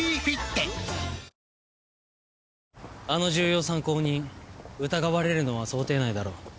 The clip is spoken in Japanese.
あの重要参考人疑われるのは想定内だろう。